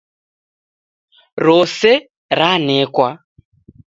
Rose ranekwa